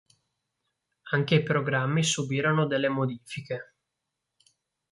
Anche i programmi subirono delle modifiche.